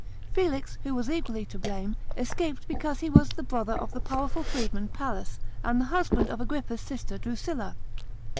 Felix, who was equally to blame, escaped, because he was the brother of the powerful freedman Pallas, and the husband of Agrippa's sister Drusilla.